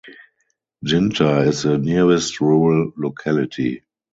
Ginta is the nearest rural locality.